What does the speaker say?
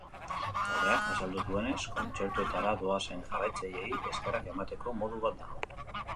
Taldeak azaldu duenez, kontzertuetara doazen jarraitzaileei eskerrak emateko modu bat da.